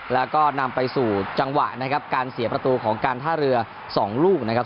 แล้วก็นำไปสู่จังหวะนะครับการเสียประตูของการท่าเรือสองลูกนะครับ